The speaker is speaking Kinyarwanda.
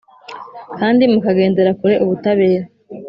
kandi mukagendera kure ubutabera: